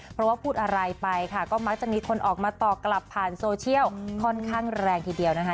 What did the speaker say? เพราะว่าพูดอะไรไปค่ะก็มักจะมีคนออกมาตอบกลับผ่านโซเชียลค่อนข้างแรงทีเดียวนะคะ